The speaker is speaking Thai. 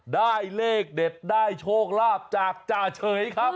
ได้เลขเด็ดได้โชคลาภจากจ่าเฉยครับ